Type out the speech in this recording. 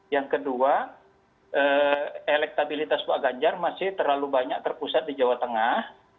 yang kedua elektabilitas pak ganjar masih terlalu banyak terpusat di jawa tengah